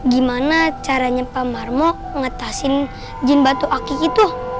gimana caranya pak marmo ngetasin jin batu akik itu